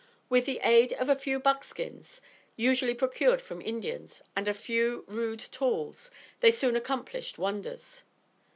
With the aid of a few buck skins, usually procured from Indians, and a few rude tools, they soon accomplished wonders.